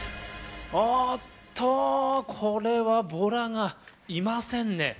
おっとー、これはボラがいませんね。